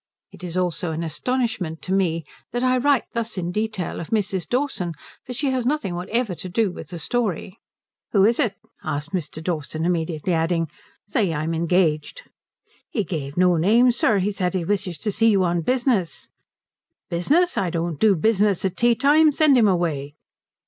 It is also an astonishment to me that I write thus in detail of Mrs. Dawson, for she has nothing whatever to do with the story. "Who is it?" asked Mr. Dawson; immediately adding, "Say I'm engaged." "He gave no name, sir. He says he wishes to see you on business." "Business! I don't do business at tea time. Send him away."